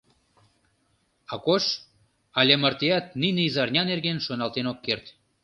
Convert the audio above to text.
Акош але мартеат нине изарня нерген шоналтен ок керт.